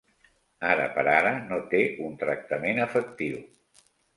Ara per ara no té un tractament efectiu.